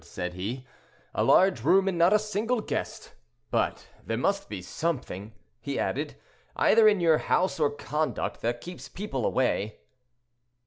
said he, "a large room and not a single guest. But there must be something," he added, "either in your house or conduct that keeps people away."